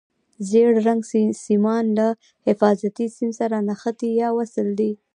ژیړ رنګ سیمان له حفاظتي سیم سره نښتي یا وصل دي.